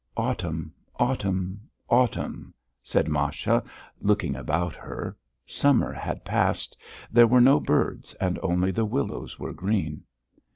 "Autumn, autumn, autumn...." said Masha, looking about her. Summer had passed. There were no birds and only the willows were green.